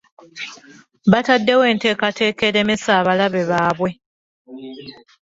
Baataddewo enteekateeka eremesa abalabe baabwe.